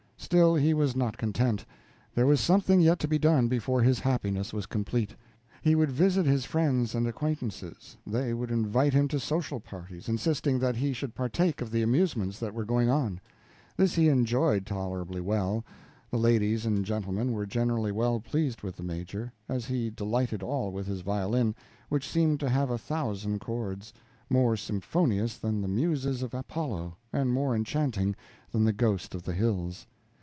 Still, he was not content; there was something yet to be done before his happiness was complete. He would visit his friends and acquaintances. They would invite him to social parties, insisting that he should partake of the amusements that were going on. This he enjoyed tolerably well. The ladies and gentlemen were generally well pleased with the Major; as he delighted all with his violin, which seemed to have a thousand chords more symphonious than the Muses of Apollo and more enchanting than the ghost of the Hills.